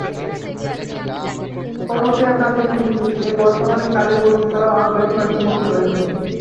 করটিয়া কালী মন্দির এ বর্তমানে কালী মূর্তি ছাড়াও আরো বেশ কয়েকটি মূর্তি রয়েছে।